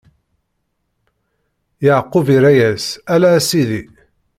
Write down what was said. Yeɛqub irra-yas: Ala, a sidi!